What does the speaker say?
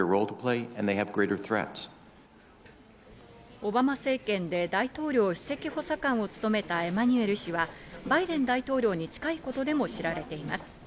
オバマ政権で大統領首席補佐官を務めたエマニュエル氏は、バイデン大統領に近いことでも知られています。